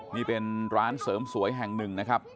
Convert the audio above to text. นี่เป็นร้านเสริมสวยแห่งหนึ่งนะครับ